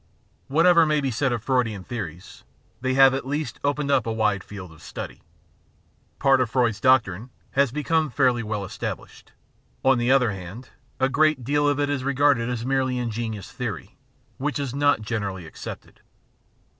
Whatever may be said of Freudian theories, they have at least opened up a wide field of study. Part of Freud's doctrine has become fairly well established ; on the other hand, a great deal of it is regarded as merely ingenious theory, which is not generally accepted.